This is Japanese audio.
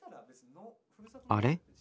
あれ？